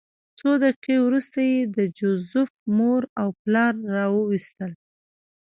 څو دقیقې وروسته یې د جوزف مور او پلار راوویستل